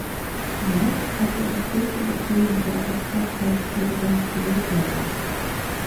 Snipes hatte eine kurze Beziehung mit der Oscar-Preisträgerin Halle Berry.